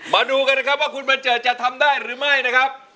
มาดูกันนะครับว่าคุณบัญเจิดจะทำได้หรือไม่นะครับ